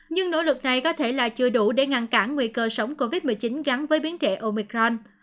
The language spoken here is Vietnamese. nhưng nỗ lực này có thể là chưa đủ để ngăn cản nguy cơ sống covid một mươi chín gắn với biến trẻ omicron